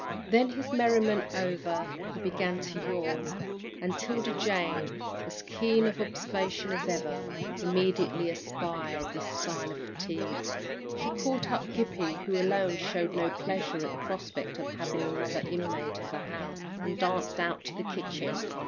Then his merriment over, he began to yawn, and 'Tilda Jane, as keen of observation as ever, immediately espied this sign of fatigue. She caught up Gippie, who alone showed no pleasure at the prospect of having another inmate of the house, and danced out to the kitchen.